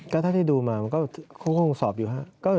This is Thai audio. ก็เท่าที่ดูมามันก็คงสอบอยู่ครับ